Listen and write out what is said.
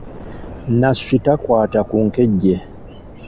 Nasswi takwata ku nkejje.